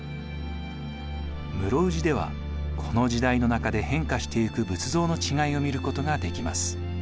室生寺ではこの時代の中で変化していく仏像の違いを見ることができます。